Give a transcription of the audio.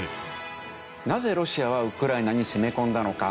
なぜロシアはウクライナに攻め込んだのか。